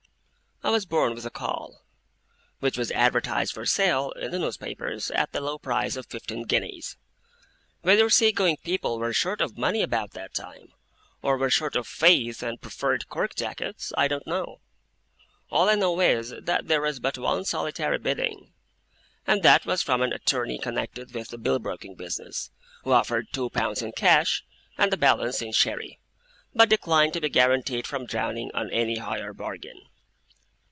I was born with a caul, which was advertised for sale, in the newspapers, at the low price of fifteen guineas. Whether sea going people were short of money about that time, or were short of faith and preferred cork jackets, I don't know; all I know is, that there was but one solitary bidding, and that was from an attorney connected with the bill broking business, who offered two pounds in cash, and the balance in sherry, but declined to be guaranteed from drowning on any higher bargain.